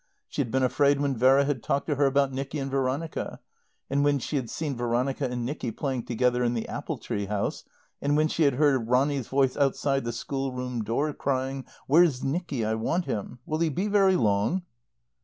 She had been afraid when Vera had talked to her about Nicky and Veronica; and when she had seen Veronica and Nicky playing together in the apple tree house; and when she had heard Ronny's voice outside the schoolroom door crying, "Where's Nicky? I want him. Will he be very long?"